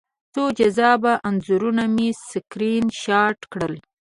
څو جذابه انځورونه مې سکرین شاټ کړل